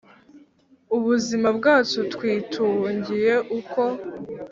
ubuzima bwacu twitungiye uko